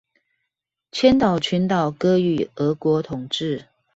千島群島割予俄國統冶